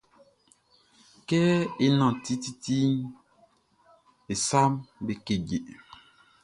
Kɛ é nánti titiʼn, e saʼm be keje.